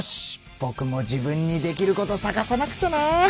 ぼくも自分にできることさがさなくちゃな。